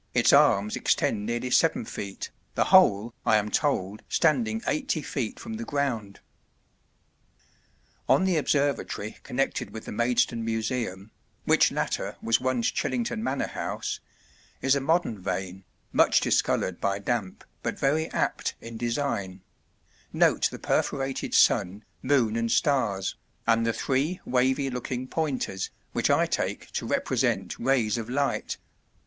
its arms extend nearly 7 ft., the whole, I am told, standing 80 ft. from the ground. On the observatory connected with the Maidstone Museum (which latter was once Chillington Manor House) is a modern vane, much discoloured by damp, but very apt in design; note the perforated sun, moon and stars, and the three wavy looking pointers, which I take to represent rays of light.